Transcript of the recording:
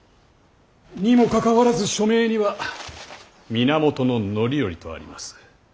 にもかかわらず署名には源範頼とあります。